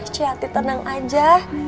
ciyatita tenang aja